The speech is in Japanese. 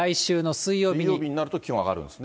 水曜日になると気温上がるんですね。